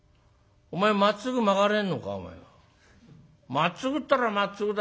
まっすぐったらまっすぐだ。